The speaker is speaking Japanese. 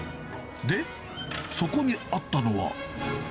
で、そこにあったのは。